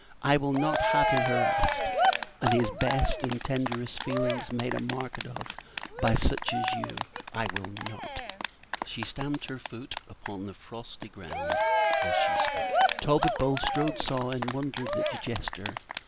I will not have him harassed, and his best and tenderest feelings made a market of by such as you. I will not!" She stamped her foot upon the frosty ground as she spoke. Talbot Bulstrode saw and wondered at the gesture.